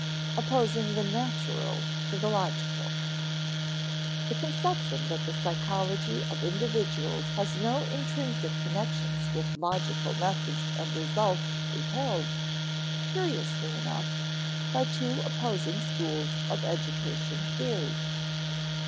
[Sidenote: Opposing the natural to the logical] The conception that the psychology of individuals has no intrinsic connections with logical methods and results is held, curiously enough, by two opposing schools of educational theory.